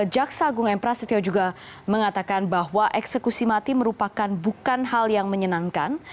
jaksa agung m prasetyo juga mengatakan bahwa eksekusi mati merupakan bukan hal yang menyenangkan